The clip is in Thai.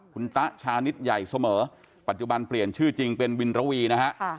คุณตะชานิดใหญ่เสมอปัจจุบันเปลี่ยนชื่อจริงเป็นวินระวีนะฮะ